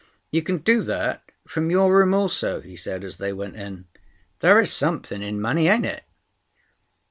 "You can do that from your room also," he said as they went in. "There is something in money, ain't it?"